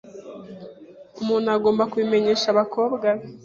Umuntu agomba kubimenyesha abakobwa be,